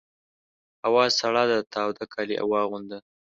هوا سړه ده تاوده کالي واغونده!